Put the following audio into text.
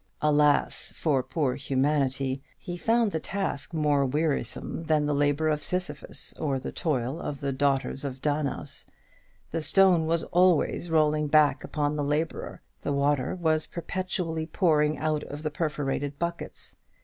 Alas for poor humanity! he found the task more wearisome than the labour of Sisyphus, or the toil of the daughters of Danäus. The stone was always rolling back upon the labourer; the water was perpetually pouring out of the perforated buckets.